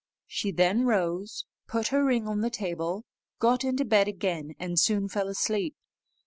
She then rose, put her ring on the table, got into bed again, and soon fell asleep.